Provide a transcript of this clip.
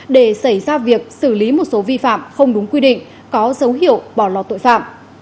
để xảy ra việc xử lý một số vi phạm không đúng quy định có dấu hiệu bỏ lọt tội phạm